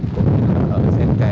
cũng như ở xe kè